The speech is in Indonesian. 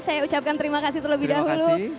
saya ucapkan terima kasih terlebih dahulu